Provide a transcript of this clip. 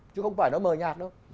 chứ không phải nó mờ nhạt đâu